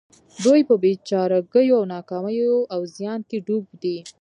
دوی په بې چارګيو او ناکاميو او زيان کې ډوب دي.